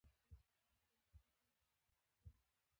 ازادي راډیو د د بیان آزادي په اړه د ښځو غږ ته ځای ورکړی.